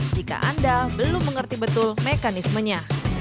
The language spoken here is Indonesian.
jika anda belum mengerti betul mekanismenya